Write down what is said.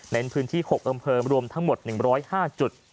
เน้นพื้นที่๖ดำเผิมรวมทั้งหมด๑๐๕จุด